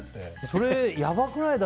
それやばくない？